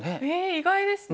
意外ですね。